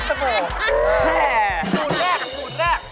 สูตรแรก